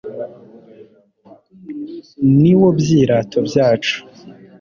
ni wo byirato byacu